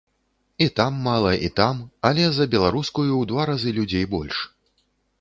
І там мала, і там, але за беларускую ў два разы людзей больш.